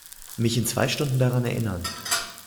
Mich in zwei Stunden daran erinnern.